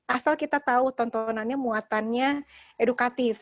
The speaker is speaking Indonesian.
asal kita tahu tontonannya muatannya edukatif